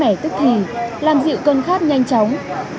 mẻ tức thì làm dịu cân khát nhanh chóng